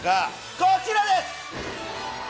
こちらです！